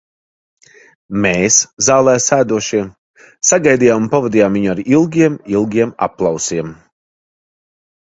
Mēs, zālē sēdošie, sagaidījām un pavadījām viņu ar ilgiem, ilgiem aplausiem.